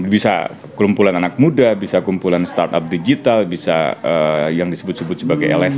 bisa kelumpulan anak muda bisa kelumpulan startup digital bisa yang disebut sebut sebagai lsm gitu ya lbh kontras